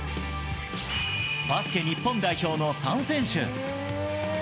バスケ日本代表の３選手。